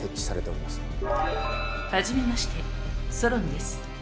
初めましてソロンです。